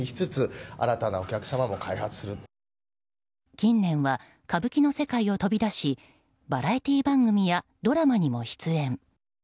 近年は歌舞伎の世界を飛び出しバラエティー番組やドラマにも出演。